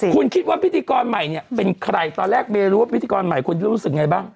คุณคิดว่าพิธีกรใหม่เนี่ยเป็นใครตอนแรกเบย์รู้ว่าพิธีกรใหม่ควรจะรู้สึกไงบ้าง